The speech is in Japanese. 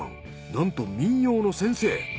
なんと民謡の先生。